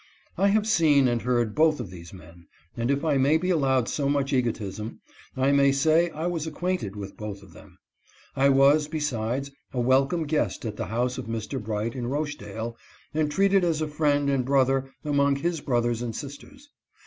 I have seen and heard both of these men, and, if I may be allowed so much egotism, I may say I was acquainted with both of them. I was, besides, a welcome guest at the house of Mr. Bright in Rochdale, and treated as a friend and brother among his brothers and sisters.